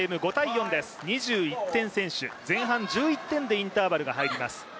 ２１点先取、前半１１点でインターバルが入ります。